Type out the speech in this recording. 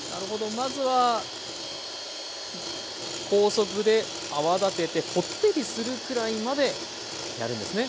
まずは高速で泡立ててポッテリするくらいまでやるんですね。